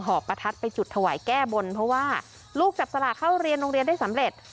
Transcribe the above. ประทัดไปจุดถวายแก้บนเพราะว่าลูกจับสลากเข้าเรียนโรงเรียนได้สำเร็จ